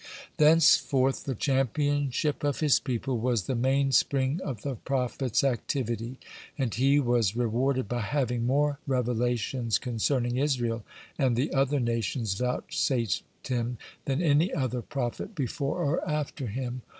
Thenceforth the championship of his people was the mainspring of the prophet's activity, and he was rewarded by having more revelations concerning Israel and the other nations vouchsafed him than any other prophet before or after him.